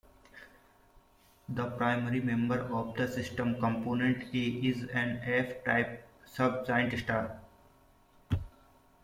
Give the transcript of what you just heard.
The primary member of the system, component A, is an F-type subgiant star.